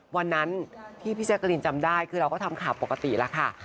วันนั้นที่พี่แจ๊กกะลินจำได้คือเราก็ทำข่าวปกติแล้วค่ะ